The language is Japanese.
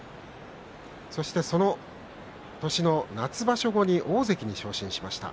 そしてその年の夏場所後に大関に昇進しました。